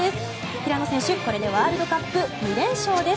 平野流佳選手、これでワールドカップ２連勝です。